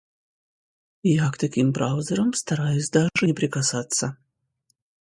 Я к таким браузерам стараюсь даже не прикасаться.